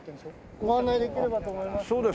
ご案内できればと思います。